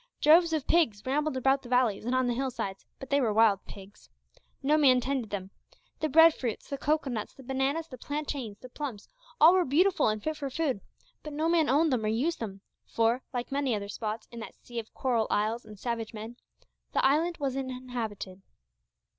Droves of pigs rambled about the valleys and on the hill sides, but they were wild pigs. No man tended them. The bread fruits, the cocoanuts, the bananas, the plantains, the plums, all were beautiful and fit for food, but no man owned them or used them, for, like many other spots in that sea of coral isles and savage men, the island was uninhabited.